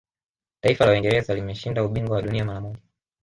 taifa la uingereza limeshinda ubingwa wa dunia mara moja